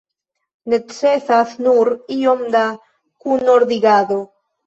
Necesas nur iom da kunordigado.